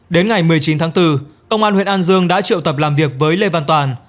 đến ngày một mươi chín tháng bốn công an huyện an dương đã triệu tập làm việc với lê văn toàn